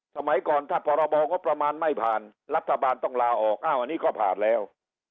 สมัยก่อนถ้าพรบงบประมาณไม่ผ่านรัฐบาลต้องลาออกอ้าวอันนี้ก็ผ่านแล้ว